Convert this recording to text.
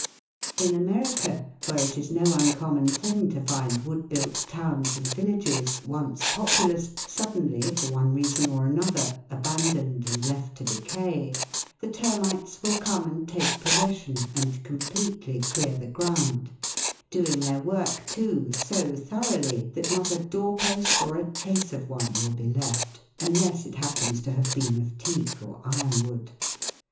In America, where it is no uncommon thing to find wood built towns and villages, once populous, suddenly, for one reason or another, abandoned and left to decay, the termites will come and take possession and completely clear the ground, doing their work, too, so thoroughly that not a door post or a trace of one will be left, unless it happens to have been of teak or iron wood.